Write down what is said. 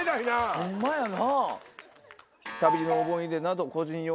ホンマやな。